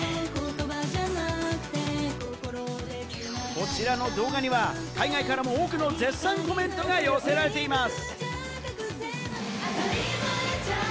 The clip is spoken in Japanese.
こちらの動画には海外からも多くの絶賛コメントが寄せられています。